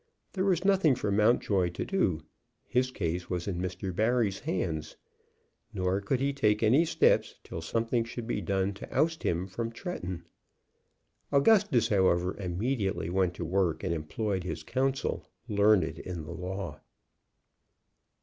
There was nothing for Mountjoy to do; his case was in Mr. Barry's hands; nor could he take any steps till something should be done to oust him from Tretton. Augustus, however, immediately went to work and employed his counsel, learned in the law.